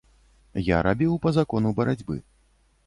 Я рабіў па закону барацьбы.